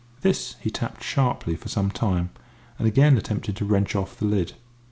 This he tapped sharply for some time, and again attempted to wrench off the lid.